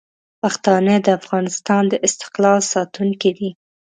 پښتانه د افغانستان د استقلال ساتونکي دي.